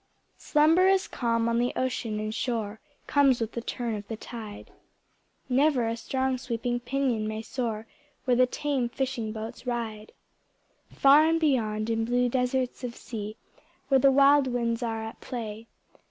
II Slumberous calm on the ocean and shore Comes with the turn of the tide; Never a strong sweeping pinion may soar, Where the tame fishing boats ride! Far and beyond in blue deserts of sea, Where the wild winds are at play.